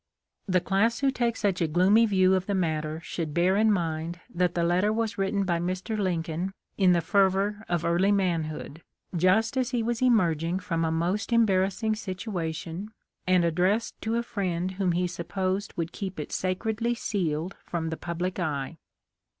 The class who take such a gloomy view of the matter should bear in mind that the letter was written by Mr. Lincoln in the fervor of early man hood, just as he was emerging from a most embar rassing situation, and addressed to a friend whom he supposed would keep it sacredly sealed from the public eye.